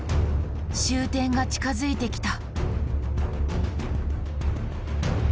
終点が近づいてきた。